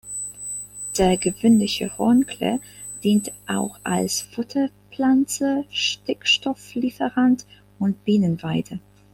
Der Gewöhnliche Hornklee dient auch als Futterpflanze, Stickstoff-Lieferant und Bienenweide.